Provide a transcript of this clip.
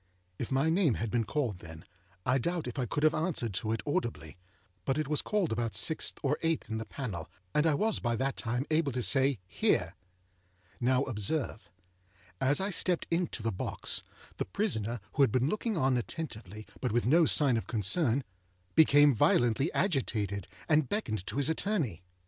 If my name had been called then, I doubt if I could have answered to it audibly. But it was called about sixth or eighth in the panel, and I was by that time able to say, âHere!â Now, observe. As I stepped into the box, the prisoner, who had been looking on attentively, but with no sign of concern, became violently agitated, and beckoned to his attorney.